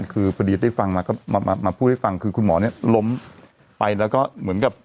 คือพอดีได้ฟังมาก็มาพูดให้ฟังคือคุณหมอเนี่ยล้มไปแล้วก็เหมือนกับ